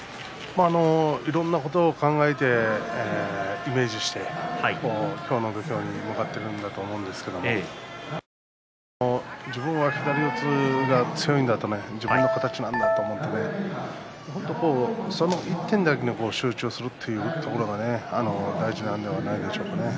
いろんなことを考えてイメージして今日の土俵に向かっているんだと思うんですけどやはり自分が左四つが強いんだと自分の形なんだと思ってその一点だけに集中するというところが大事なのではないでしょうかね。